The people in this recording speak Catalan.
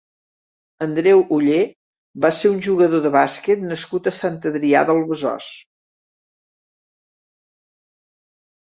Andreu Oller va ser un jugador de bàsquet nascut a Sant Adrià de Besòs.